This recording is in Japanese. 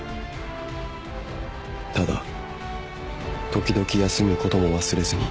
「ただ時々休むことも忘れずに」